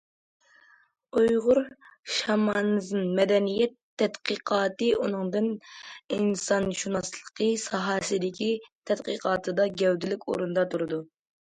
ئۇيغۇر شامانىزم مەدەنىيەت تەتقىقاتى ئۇنىڭ دىن ئىنسانشۇناسلىقى ساھەسىدىكى تەتقىقاتىدا گەۋدىلىك ئورۇندا تۇرىدۇ.